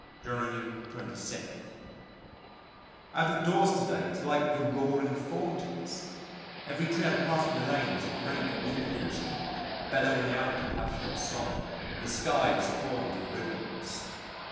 January 26. Out of doors to day it's like the roaring forties! Every tree I passed in the lane was a great wind instrument, bellowing out a passionate song, and the sky was torn to ribbons.